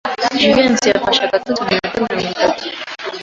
Jivency yafashe agatotsi mu minota mirongo itatu.